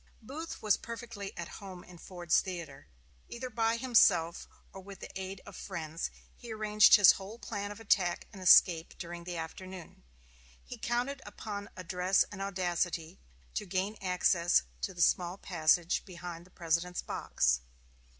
Booth was perfectly at home in Ford's Theater. Either by himself, or with the aid of friends, he arranged his whole plan of attack and escape during the afternoon. He counted upon address and audacity to gain access to the small passage behind the President's box.